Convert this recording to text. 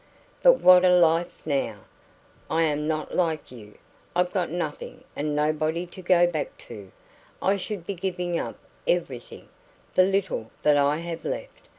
But what a life now. I am not like you I've got nothing and nobody to go back to I should be giving up everything the little that I have left.